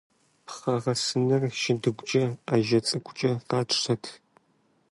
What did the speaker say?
Пхъэгъэсыныр шыдыгукӀэ, Ӏэжьэ цӀыкӀукӀэ къатшэрт.